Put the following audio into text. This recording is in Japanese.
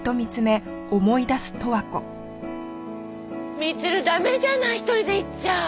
光留駄目じゃない一人で行っちゃ。